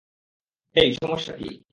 হেই, সমস্যা কি?